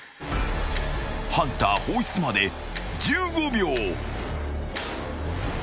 ［ハンター放出まで１５秒］